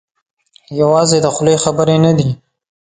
یوازې د خولې خبرې نه دي.